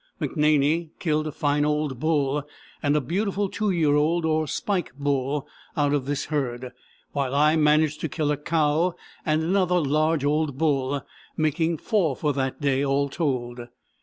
McNaney killed a fine old bull and a beautiful two year old, or "spike" bull, out of this herd, while I managed to kill a cow and another large old bull, making four for that day, all told.